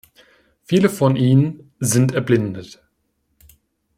Viele von ihnen sind erblindet.